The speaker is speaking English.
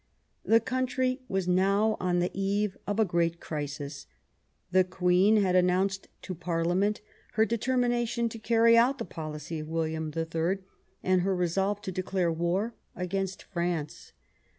The country was now on the eve of a great crisis. The Queen had announced to Parliament her determi nation to carry out the policy of William the Third, and her resolve to declare war against France.